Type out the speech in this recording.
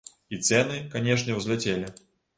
І цэны, канешне, узляцелі.